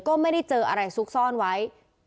ก็ไม่ได้เจออะไรซุกซ่อนไว้